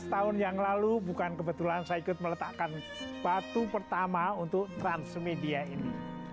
lima belas tahun yang lalu bukan kebetulan saya ikut meletakkan batu pertama untuk transmedia ini